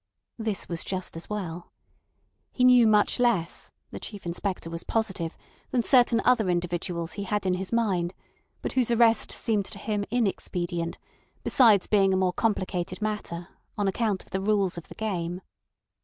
This was just as well. He knew much less—the Chief Inspector was positive—than certain other individuals he had in his mind, but whose arrest seemed to him inexpedient, besides being a more complicated matter, on account of the rules of the game.